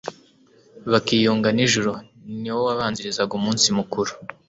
bakiyunga n'ijuru, ni wo wabanzirizaga umunsi mukuru.